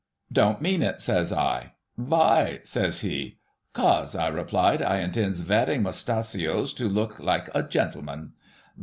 " Don't mean it," says I. " Vy .?" says he. " 'Cos," I replied, " I intends veaxing mustachios to look like a gentleman."